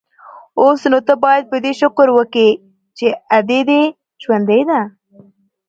اوس نو ته بايد په دې شکر وکې چې ادې دې ژوندۍ ده.